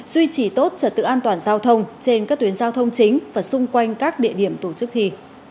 duy trì tốt trật tự an toàn giao thông trên các tuyến giao thông chính và xung quanh các địa điểm tổ chức thi